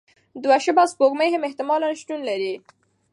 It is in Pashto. دوه شبح سپوږمۍ هم احتمالاً شتون لري.